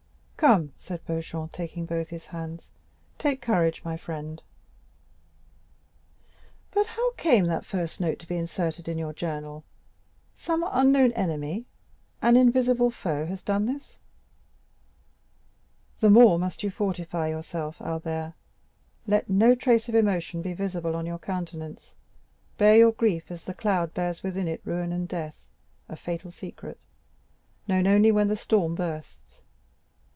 "Come," said Beauchamp, taking both his hands, "take courage, my friend." "But how came that first note to be inserted in your journal? Some unknown enemy—an invisible foe—has done this." "The more must you fortify yourself, Albert. Let no trace of emotion be visible on your countenance, bear your grief as the cloud bears within it ruin and death—a fatal secret, known only when the storm bursts.